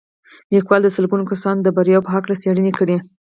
ليکوال د سلګونه کسانو د برياوو په هکله څېړنې کړې.